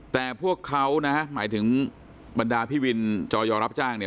แต่พวกเขานะฮะหมายถึงบรรดาพี่วินจอยอรับจ้างเนี่ย